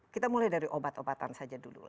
kita mulai dari obat obatan saja dulu